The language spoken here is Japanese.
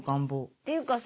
ていうかさ